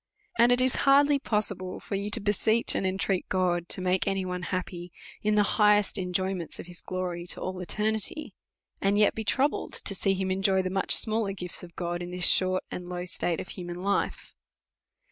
And it is hardly possible for you, to beseech and intreat God to make any one happy in the highest enjoyments of his glory to all eternity, and yet b^' troubled to see him enjoy the much smaller gifts of God in this short and low state of human life.